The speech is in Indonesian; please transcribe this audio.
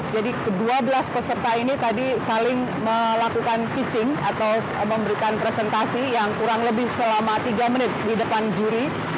jadi ke dua belas peserta ini tadi saling melakukan pitching atau memberikan presentasi yang kurang lebih selama tiga menit di depan juri